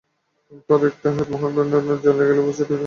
তাঁর একটা হেড মোহামেডানের জালে গেলে অফসাইডের ঝান্ডায় গোল দেওয়া হয়নি।